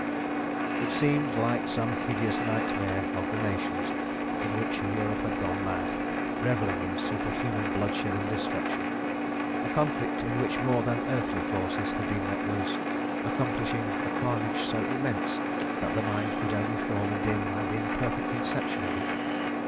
It seemed like some hideous nightmare of the nations, in which Europe had gone mad, revelling in superhuman bloodshed and destruction, a conflict in which more than earthly forces had been let loose, accomplishing a carnage so immense that the mind could only form a dim and imperfect conception of it.